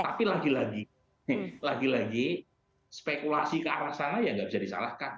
tapi lagi lagi lagi lagi spekulasi ke arah sana ya tidak bisa disalahkan